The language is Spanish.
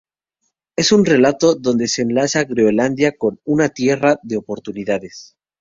Es un relato donde se ensalza Groenlandia como una tierra de oportunidades.